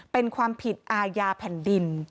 เป็นความผิดอาญาแผ่นดิน